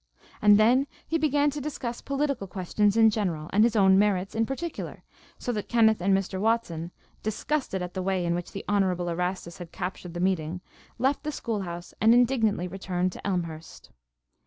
And then he began to discuss political questions in general and his own merits in particular, so that Kenneth and Mr. Watson, disgusted at the way in which the Honorable Erastus had captured the meeting, left the school house and indignantly returned to Elmhurst.